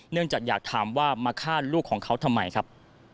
จากอยากถามว่ามาฆ่าลูกของเขาทำไมครับ